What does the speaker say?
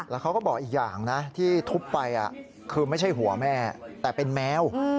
แล้วเขาก็บอกอีกอย่างนะที่ทุบไปคือไม่ใช่หัวแม่แต่เป็นแมว